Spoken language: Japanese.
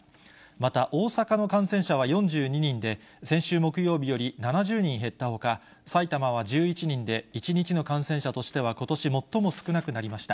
また、大阪の感染者は４２人で、先週木曜日より７０人減ったほか、埼玉は１１人で、１日の感染者としてはことし最も少なくなりました。